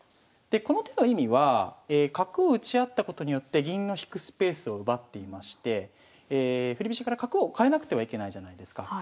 この手の意味は角を打ち合ったことによって銀の引くスペースを奪っていまして振り飛車から角を換えなくてはいけないじゃないですか。